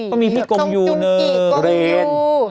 ก็มีภีร์กงยูหนึ่งเรน